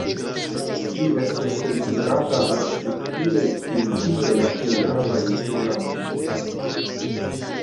Ĝi estas konsiderata arkitekture kiel unu el la plej gravaj en la mondo.